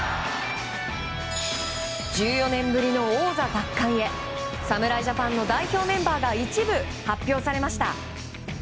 １４年ぶりの王座奪還へ侍ジャパンの代表メンバーが一部、発表されました。